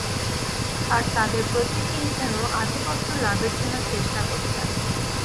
আর তাঁদের প্রত্যেকেই যেন আধিপত্য লাভের জন্য চেষ্টা করছেন।